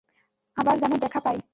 আবার যেন দেখা পাই।